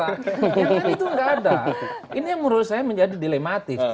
itu nggak ada ini yang menurut saya menjadi dilematis